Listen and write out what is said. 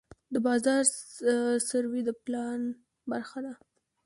د بازار سروې د پلان برخه ده.